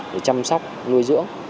để chăm sóc nuôi dưỡng